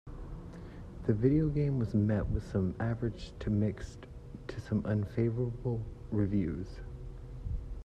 The video game was met with some average to mixed to unfavorable reviews.